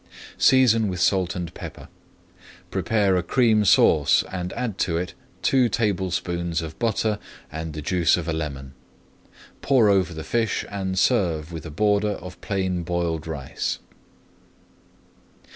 Season with salt and pepper. Prepare a Cream Sauce and add to it two tablespoonfuls of butter and the juice of a lemon. Pour over the fish and serve with a border of plain boiled rice.